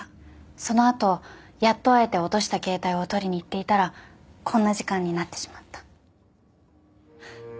その後やっと会えて落とした携帯を取りに行っていたらこんな時間になってしまった。